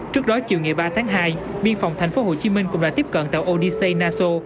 trước đó chiều ba tháng hai biên phòng thành phố hồ chí minh cũng đã tiếp cận tàu odyssey naso